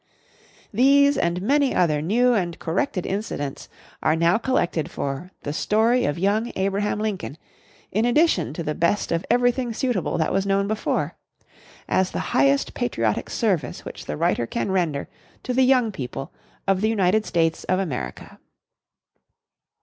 These and many other new and corrected incidents are now collected for THE STORY OF YOUNG ABRAHAM LINCOLN, in addition to the best of everything suitable that was known before as the highest patriotic service which the writer can render to the young people of the United States of America.